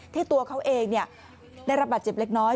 ที่ตัวเขาเองเนี่ยได้ระบาดเจ็บเล็กน้อย